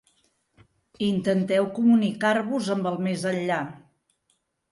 Intenteu comunicar-vos amb el més enllà.